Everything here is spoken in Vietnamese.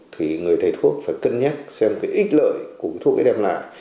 thì người thầy thuốc phải cân nhắc xem cái ít lợi của thuốc ấy đem lại